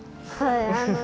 はい。